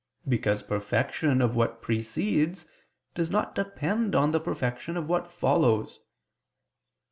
Because perfection of what precedes does not depend on the perfection of what follows.